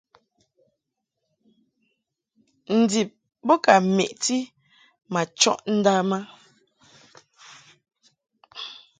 Ndib bo ka meʼti ma chɔʼ ndam a.